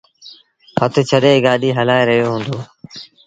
هٿ ڇڏي گآڏيٚ هلآئي رهيو هُݩدو۔